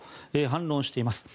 反論しています。